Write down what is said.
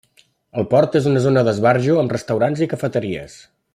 El port és una zona d'esbarjo amb restaurants i cafeteries.